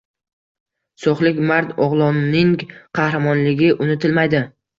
So‘xlik mard o‘g‘lonning qahramonligi unutilmaydi